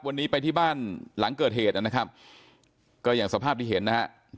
วันนี้ไปที่บ้านหลังเกิดเหตุนะครับก็อย่างสภาพที่เห็นนะฮะ